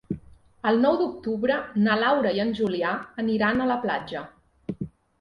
El nou d'octubre na Laura i en Julià aniran a la platja.